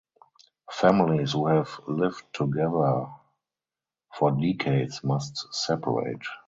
Families who have lived together for decades must separate.